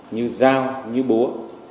như dao như búa